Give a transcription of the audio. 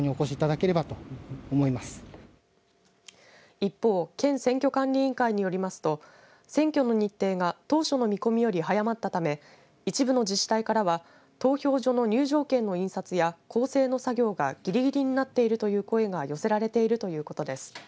一方県選挙管理委員会によりますと選挙の日程が当初の見込みより早まったため一部の自治体からは投票所の入場券の印刷や校正の作業がギリギリになっているという声が寄せられているということです。